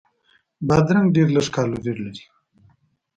بادرنګ ډېر لږ کالوري لري.